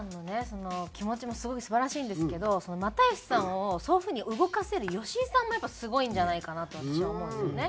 その気持ちもすごい素晴らしいんですけど又吉さんをそういう風に動かせる好井さんもやっぱりすごいんじゃないかなと私は思うんですよね。